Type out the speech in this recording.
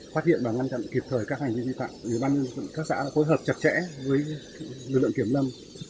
phát hiện và ngăn chặn kịp thời các hành vi vi phạm ủy ban các xã phối hợp chặt chẽ với lực lượng kiểm lâm